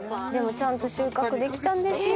ちゃんと収穫できたんですよ。